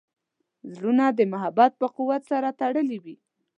زړونه د محبت په قوت سره تړلي وي.